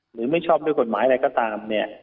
ไม่ชอบด้วยกฎหมายอะไรก็ตามเนี่ย